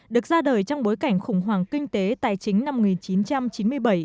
được ra đời trong bối cảnh khủng hoảng kinh tế tài chính năm một nghìn chín trăm chín mươi bảy